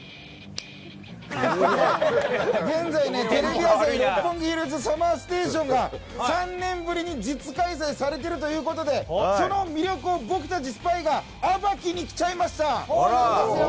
現在「テレビ朝日・六本木ヒルズＳＵＭＭＥＲＳＴＡＴＩＯＮ」が３年ぶりに実開催されているということでその魅力を、僕たちスパイが暴きに来ちゃいました！